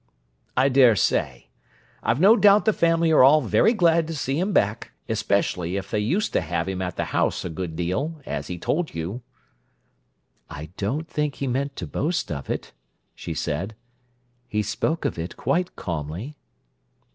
"I dare say. I've no doubt the family are all very glad to see him back, especially if they used to have him at the house a good deal, as he told you." "I don't think he meant to boast of it," she said: "He spoke of it quite calmly."